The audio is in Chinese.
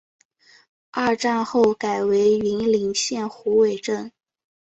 二战后改为云林县虎尾镇。